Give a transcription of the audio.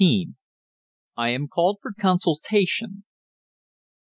I AM CALLED FOR CONSULTATION.